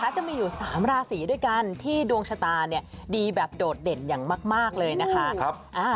จะมีอยู่๓ราศีด้วยกันที่ดวงชะตาดีแบบโดดเด่นอย่างมากเลยนะคะ